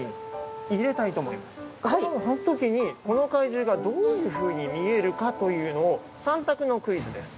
その時にこの怪獣がどういうふうに見えるかというのを３択のクイズです。